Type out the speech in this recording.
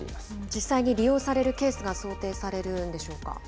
実際に利用されるケースが想定されるんでしょうか。